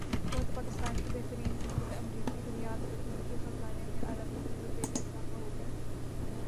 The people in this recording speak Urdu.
حکومت پاکستان کی بہترین حکمت عملی کی بنیاد پر ملکی خزانے میں ارب روپے کا اضافہ ہوگیا ہے